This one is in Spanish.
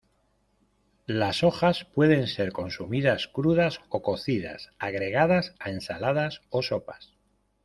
Las hojas pueden ser consumidas crudas o cocidas, agregadas a ensaladas o sopas.